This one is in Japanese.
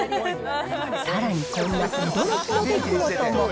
さらに、こんな驚きの出来事も。